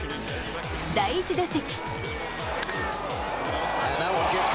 第１打席。